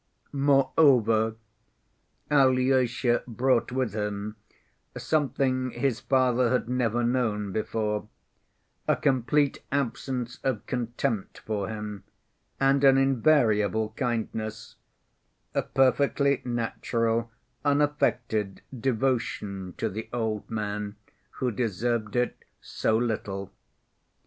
Moreover, Alyosha brought with him something his father had never known before: a complete absence of contempt for him and an invariable kindness, a perfectly natural unaffected devotion to the old man who deserved it so little.